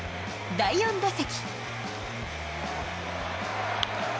第４打席。